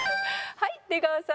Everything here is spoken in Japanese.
はい出川さん。